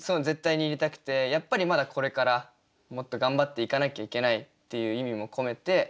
絶対に入れたくてやっぱりまだこれからもっと頑張っていかなきゃいけないっていう意味も込めて。